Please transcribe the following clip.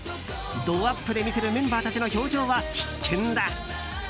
ドアップで見せるメンバーたちの表情は必見だ。